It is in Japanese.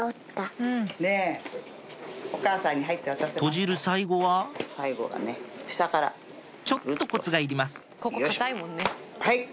閉じる最後はちょっとコツがいります